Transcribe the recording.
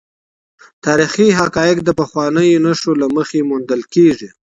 تاریخي حقایق د پخوانیو نښو له مخې موندل کیږي.